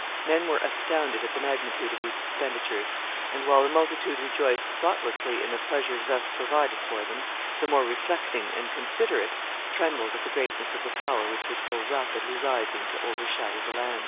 Men were astounded at the magnitude of these expenditures, and, while the multitude rejoiced thoughtlessly in the pleasures thus provided for them, the more reflecting and considerate trembled at the greatness of the power which was so rapidly rising to overshadow the land.